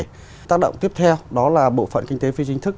cái tác động tiếp theo đó là bộ phận kinh tế phi chính thức